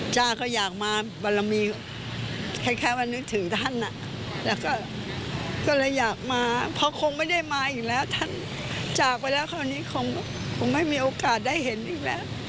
จากไปแล้วคราวนี้คงไม่มีโอกาสได้เห็นอีกแล้ว